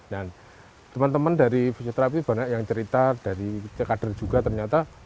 nah teman teman dari fisiterapi banyak yang cerita dari kader juga ternyata